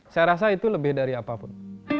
saya rasa itu lebih dari apapun